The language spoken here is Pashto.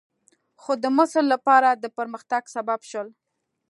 خو د مصر لپاره د پرمختګ سبب شول.